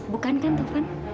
bukan kan taufan